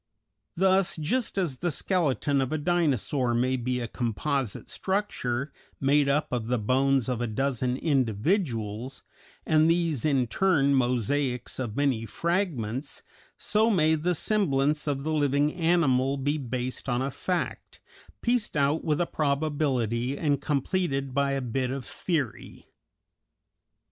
Thus just as the skeleton of a Dinosaur may be a composite structure, made up of the bones of a dozen individuals, and these in turn mosaics of many fragments, so may the semblance of the living animal be based on a fact, pieced out with a probability and completed by a bit of theory.